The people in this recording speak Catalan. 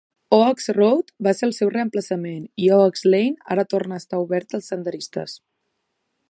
Oaks Road va ser el seu reemplaçament i Oaks Lane ara torna a estar obert als senderistes.